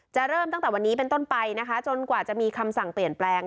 เริ่มตั้งแต่วันนี้เป็นต้นไปนะคะจนกว่าจะมีคำสั่งเปลี่ยนแปลง